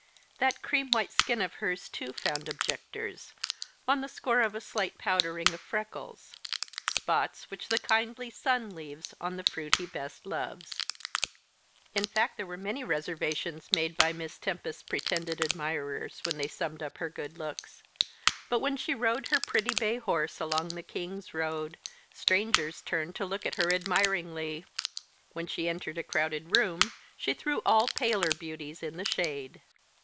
That cream white skin of hers, too, found objectors, on the score of a slight powdering of freckles; spots which the kindly sun leaves on the fruit he best loves. In fact, there were many reservations made by Miss Tempest's pretended admirers when they summed up her good looks; but when she rode her pretty bay horse along the King's Road, strangers turned to look at her admiringly; when she entered a crowded room she threw all paler beauties in the shade.